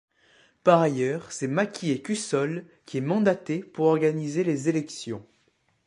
Par ailleurs c'est Marquié-Cussol qui est mandaté pour organiser les élections.